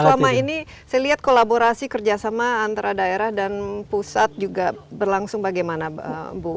selama ini saya lihat kolaborasi kerjasama antara daerah dan pusat juga berlangsung bagaimana bu